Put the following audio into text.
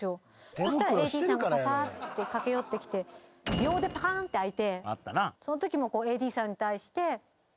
そしたらＡＤさんがささって駆け寄ってきて秒でぱかーんって開いてそのときＡＤさんに対して。